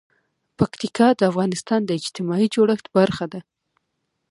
پکتیکا د افغانستان د اجتماعي جوړښت برخه ده.